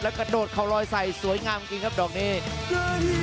กระโดดเข่าลอยใส่สวยงามจริงครับดอกนี้